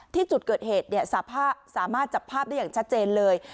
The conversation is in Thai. ที่จุดเกิดเหตุสามารถจับภาพได้อย่างชัดเจนเลย